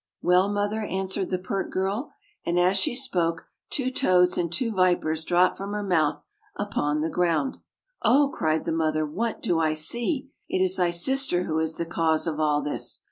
"Well, mother," answered the pert girl. And as she Bpoke, two toads and two vipers dropped from her mouth upon the ground. "Oh!" cried the mother, "what do I see? It is thy sister who is the cause of all this!